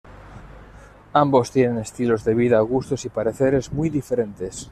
Ambos tienen estilos de vida, gustos y pareceres muy diferentes.